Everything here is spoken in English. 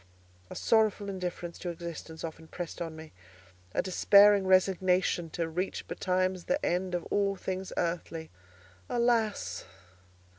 A sorrowful indifference to existence often pressed on me—a despairing resignation to reach betimes the end of all things earthly. Alas!